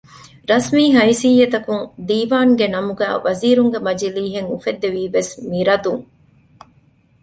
ރަސްމީ ހައިސިއްޔަތަކުން ދީވާންގެ ނަމުގައި ވަޒީރުންގެ މަޖިލީހެއް އުފެއްދެވީވެސް މި ރަދުން